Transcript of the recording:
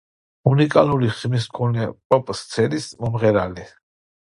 უნიკალური ხმის მქონე პოპ–სცენის მომღერალი.